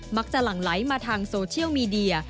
หลั่งไหลมาทางโซเชียลมีเดีย